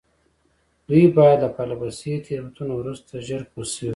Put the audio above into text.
دوی باید له پرله پسې تېروتنو وروسته ژر پوه شوي وای.